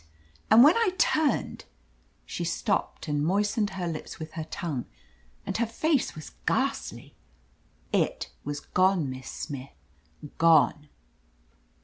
And when I turned —" She stopped and moistened her lips with her tongue, and her face was ghastly — 'Ht was gone. Miss Smith. Gone!"